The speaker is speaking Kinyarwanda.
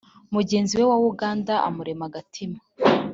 mugenzi we wa uganda amurema agatima,